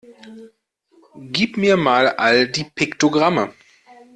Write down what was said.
Gib mir mal all die Piktogramme!